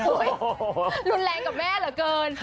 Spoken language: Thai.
โอ้โหรุนแรงกับแม่เหลือเกิน